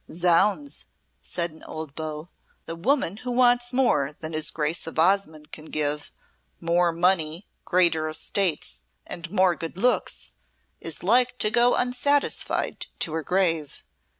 "Zounds," said an old beau, "the woman who wants more than his Grace of Osmonde can give more money, greater estates, and more good looks is like to go unsatisfied to her grave.